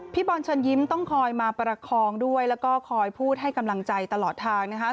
บอลเชิญยิ้มต้องคอยมาประคองด้วยแล้วก็คอยพูดให้กำลังใจตลอดทางนะคะ